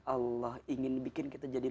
allah ingin bikin kita jadi